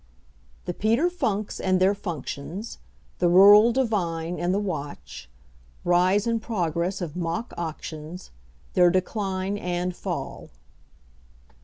THE PETER FUNKS AND THEIR FUNCTIONS. THE RURAL DIVINE AND THE WATCH. RISE AND PROGRESS OF MOCK AUCTIONS. THEIR DECLINE AND FALL.